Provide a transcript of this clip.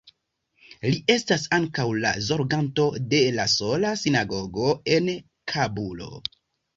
Li estas ankaŭ la zorganto de la sola sinagogo en Kabulo.